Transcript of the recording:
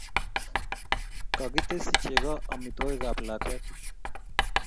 Kakitesyi chego amitwogikap lakwet